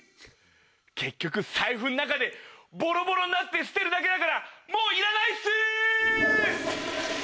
結局財布の中でボロボロになって捨てるだけだからもういらないっす！